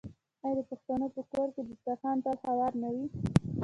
آیا د پښتنو په کور کې دسترخان تل هوار نه وي؟